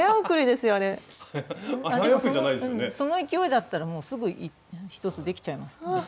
でもその勢いだったらもうすぐ１つできちゃいます。